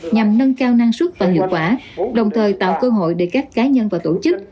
nhằm nâng cao năng suất và hiệu quả đồng thời tạo cơ hội để các cá nhân và tổ chức